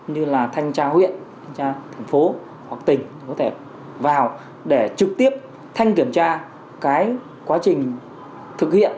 như là thanh tra huyện thanh tra thành phố hoặc tỉnh có thể vào để trực tiếp thanh kiểm tra cái quá trình thực hiện